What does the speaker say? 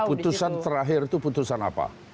putusan terakhir itu putusan apa